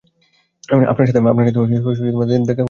আপনার সাথেও দেখা করে খুব ভাল লাগল।